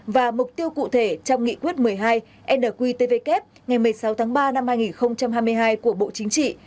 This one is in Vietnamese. và mục tiêu cụ thể trong nghị quyết một mươi hai nqtvk ngày một mươi sáu tháng ba năm hai nghìn hai mươi hai của bộ chính trị